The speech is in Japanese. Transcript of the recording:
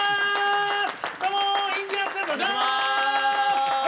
どうもインディアンスです！